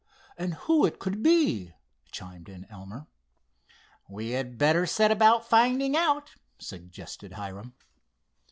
And who it could be?" chimed in Elmer. "We had better set about finding out," suggested Hiram.